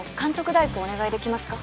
代行お願いできますか？